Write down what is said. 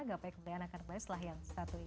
gapai kemuliaan akan kembali setelah yang satu ini